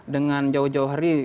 dengan jawa jawa hari